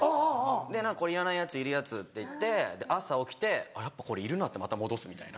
で「これいらないやついるやつ」っていって朝起きて「やっぱこれいるな」ってまた戻すみたいな。